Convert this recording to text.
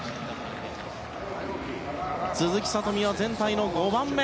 鈴木聡美は全体の５番目。